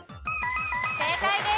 正解です。